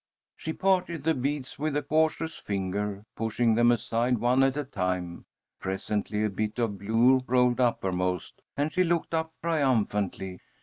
She parted the beads with a cautious forefinger, pushing them aside one at a time. Presently a bit of blue rolled uppermost, and she looked up triumphantly.